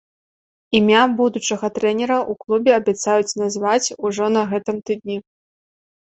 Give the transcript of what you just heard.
Імя будучага трэнера ў клубе абяцаюць назваць ужо на гэтым тыдні.